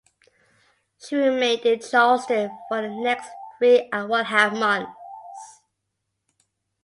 She remained in Charleston for the next three and one-half months.